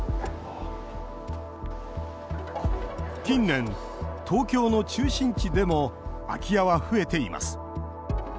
近年、東京の中心地でも空き家は増えています。